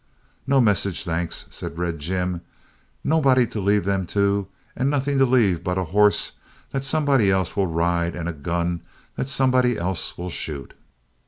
"No message, thanks," said Red Jim. "Nobody to leave them to and nothing to leave but a hoss that somebody else will ride and a gun that somebody else will shoot."